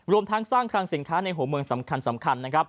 รวมทั้งสร้างคลังสินค้าในหัวเมืองสำคัญนะครับ